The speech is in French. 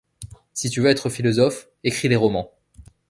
Si tu veux être philosophe, écris des romans.